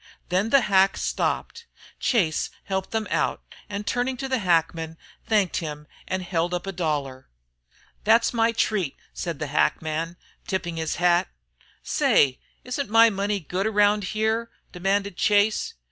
Then the hack stopped. Chase helped them out, and turning to the hackman, thanked him and held up a dollar. "This's my treat," said the hackman, tipping his hat. "Say, isn't my money any good round here?" demanded Chase.